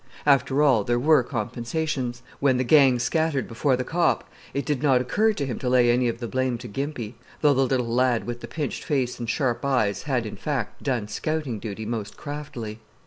After all, there were compensations. When the gang scattered before the cop, it did not occur to him to lay any of the blame to Gimpy, though the little lad with the pinched face and sharp eyes had, in fact, done scouting duty most craftily.